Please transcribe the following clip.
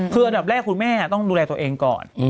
คืออันดับแรกคุณแม่ต้องดูแลตัวเองก่อน